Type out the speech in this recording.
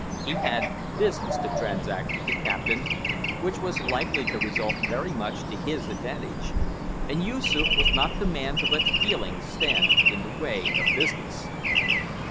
He had business to transact with the captain which was likely to result very much to his advantage, and Yoosoof was not the man to let feelings stand in the way of business.